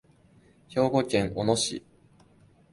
兵庫県小野市